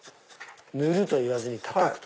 塗ると言わずにたたくと。